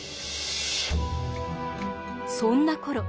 そんなころ